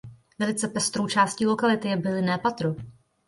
Velice pestrou částí lokality je bylinné patro.